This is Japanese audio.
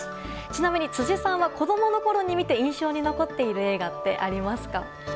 ちなみに辻さんは子供のころ見て印象に残っている映画はありますか？